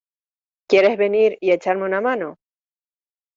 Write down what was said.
¿ Quieres venir y echarme una mano?